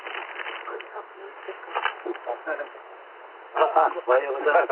ああおはようございます。